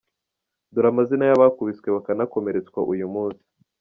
Dore amazina y’abakubiswe bakanakomeretswa uyu munsi: